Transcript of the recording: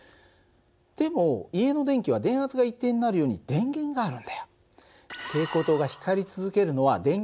でも家の電気は電圧が一定になるように電源があるんだよ。